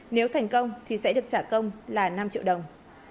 nếu thành công thì sẽ được trả công là năm triệu đồng